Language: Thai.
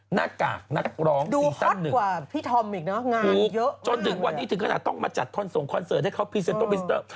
หน้ากากนักร้องซีซั่นหนึ่งคลุกจนถึงวันนี้ถึงขนาดต้องมาจัดทอนส่งคอนเซอร์ให้เขาพรีเซ็นต์ต้นพิสเตอร์